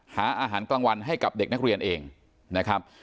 หาอาหารกลางวันให้กับเด็กนักเรียนเองนะครับ